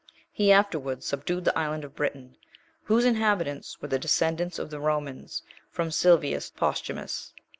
He afterwards subdued the island of Britain, whose inhabitants were the descendants of the Romans, from Silvius Posthumus.